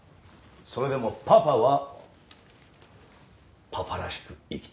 それでもパパはパパらしく生きたい。